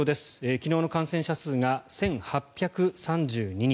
昨日の感染者数が１８３２人。